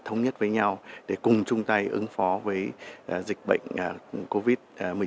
thống nhất với nhau để cùng chung tay ứng phó với dịch bệnh covid một mươi chín